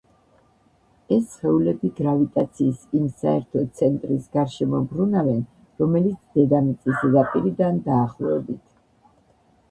ეს სხეულები გრავიტაციის იმ საერთო ცენტრის გარშემო ბრუნავენ, რომელიც დედამიწის ზედაპირიდან დაახლოებით.